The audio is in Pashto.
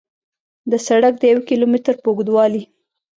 د سړک د یو کیلو متر په اوږدوالي